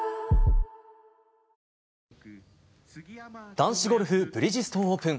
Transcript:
男子ゴルフブリヂストンオープン。